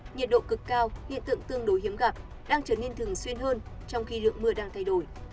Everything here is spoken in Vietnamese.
nhiệt độ cực cao hiện tượng tương đối hiếm gặp đang trở nên thường xuyên hơn trong khi lượng mưa đang thay đổi